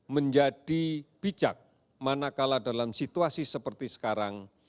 menjadi bijak manakala dalam situasi seperti sekarang